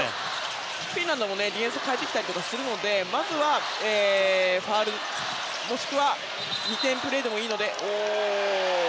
フィンランドもディフェンスを変えてきたりするのでまずは、ファウルもしくは２点プレーでもいい。